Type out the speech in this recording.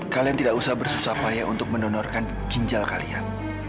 kalian tidak usah bersusah payah untuk mendonorkan ginjal kalian